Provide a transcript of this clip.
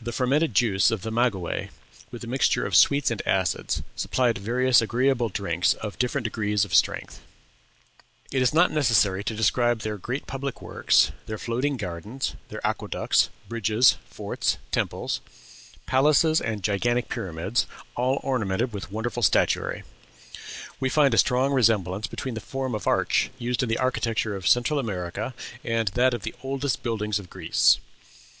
The fermented juice of the maguey, with a mixture of sweets and acids, supplied various agreeable drinks of different degrees of strength." It is not necessary to describe their great public works, their floating gardens, their aqueducts, bridges, forts, temples, COMMON FORM OF ARCH, CENTRAL AMERICA. palaces, and gigantic pyramids, all ornamented with wonderful statuary. SECTION OF THE TREASURE HOUSE OF ATREUS AT MYCENAE We find a strong resemblance between the form of arch used in the architecture of Central America and that of the oldest buildings of Greece.